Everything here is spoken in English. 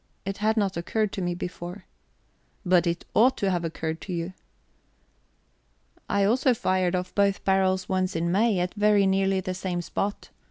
"It had not occurred to me before." "But it ought to have occurred to you." "I also fired off both barrels once in May, at very nearly the same spot.